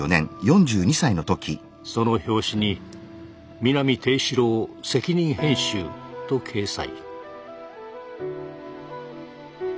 その表紙に「南定四郎責任編集」と掲載。